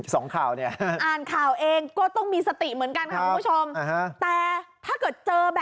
สองข่าวนี่ฮ่า